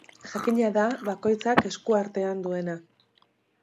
Jakina da bakoitzak esku artean duena.